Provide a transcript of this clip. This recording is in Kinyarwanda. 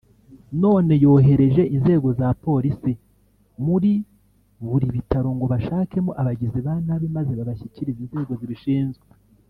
none yohereje inzengo za polisi muri buri bitaro ngo bashakemo abagizi ba nabi maze babashyikirize inzego zibishinzwe